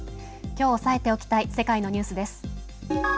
きょう押さえておきたい世界のニュースです。